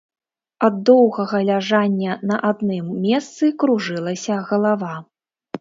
Ад доўгага ляжання на адным месцы кружылася галава.